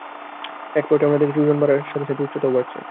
এই প্লটে আমরা দেখছি ওজন বাড়ার সাথে সাথে উচ্চতাও বাড়ছে।